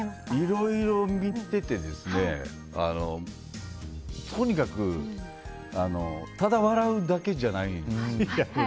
いろいろ見てて、とにかくただ笑うだけじゃないんですよ。